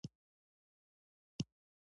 پښتونخوا د پښتنو تاريخي خاوره ده.